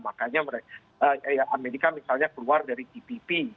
makanya amerika misalnya keluar dari tpp